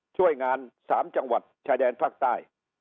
ช่วยงาน๓จังหวัดชายแดนภาคใต้